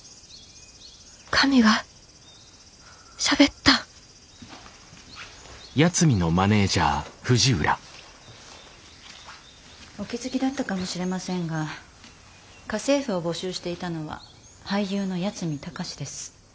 神がしゃべったお気付きだったかもしれませんが家政婦を募集していたのは俳優の八海崇です。